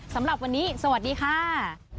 สำหรับวันนี้สวัสดีค่ะ